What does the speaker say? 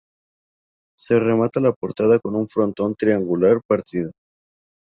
Se remata la portada con un frontón triangular partido.